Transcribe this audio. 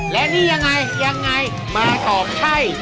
และนี่ยังไงมาตอบใช่